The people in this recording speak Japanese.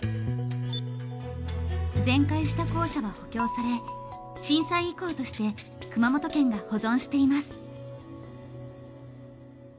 全壊した校舎は補強され震災遺構として熊本県が保存しています。